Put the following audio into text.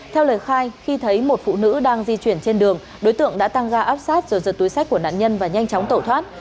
theo lời khai khi thấy một phụ nữ đang di chuyển trên đường đối tượng đã tăng ga áp sát rồi giật túi sách của nạn nhân và nhanh chóng tẩu thoát